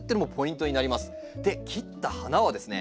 で切った花はですね